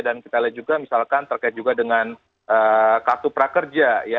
dan kita lihat juga misalkan terkait juga dengan kartu prakerja ya